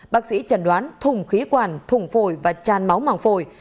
bác sĩ chẩn đoán thùng khí quản thùng phổi và tràn máu màng phổi